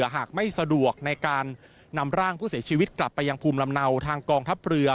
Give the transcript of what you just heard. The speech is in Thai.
หากไม่สะดวกในการนำร่างผู้เสียชีวิตกลับไปยังภูมิลำเนาทางกองทัพเรือ